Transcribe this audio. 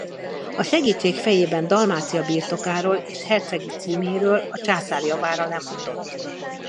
A segítség fejében Dalmácia birtokáról és a hercegi címéről a császár javára lemondott.